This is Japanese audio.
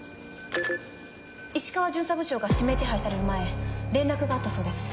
石川巡査部長が指名手配される前連絡があったそうです。